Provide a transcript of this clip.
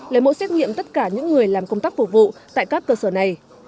lấy mẫu xét nghiệm tất cả những người làm công tác phục vụ tại các cơ sở này